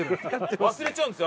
忘れちゃうんですよ